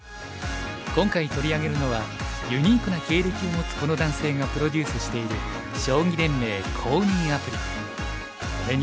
今回取り上げるのはユニークな経歴を持つこの男性がプロデュースしているが込められています。